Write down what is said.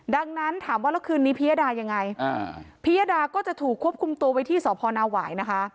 ดังนั้นถามว่าแล้วคืนนี้พิยดายังไงพิยดาก็จะถูกควบคุมตัวไว้ที่สพนาหวายนะคะ